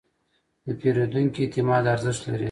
د پیرودونکي اعتماد ارزښت لري.